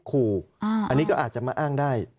คู่อันนี้ก็อาจจะมาอ้างได้